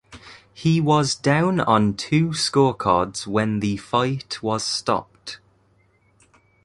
He was down on two scorecards when the fight was stopped.